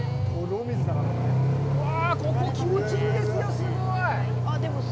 うわぁ、ここ、気持ちいいですよ、すごい！